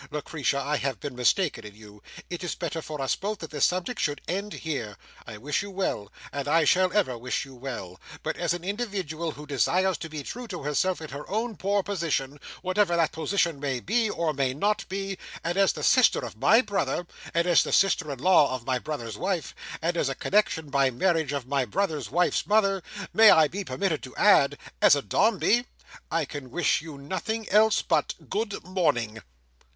Lucretia, I have been mistaken in you. It is better for us both that this subject should end here. I wish you well, and I shall ever wish you well. But, as an individual who desires to be true to herself in her own poor position, whatever that position may be, or may not be—and as the sister of my brother—and as the sister in law of my brother's wife—and as a connexion by marriage of my brother's wife's mother—may I be permitted to add, as a Dombey?—I can wish you nothing else but good morning."